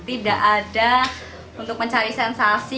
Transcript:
tidak ada untuk mencari sensasi